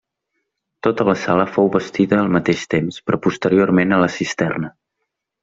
Tota la sala fou bastida al mateix temps però posteriorment a la cisterna.